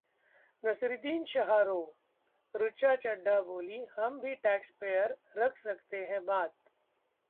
Naseeruddin Shah Row: Richa Chadha बोलीं- 'हम भी टैक्सपेयर, रख सकते हैं बात'